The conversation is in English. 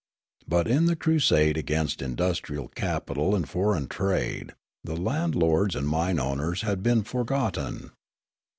But in the crusade against industrial capital and foreign trade the landlords and mine owners had been for gotten.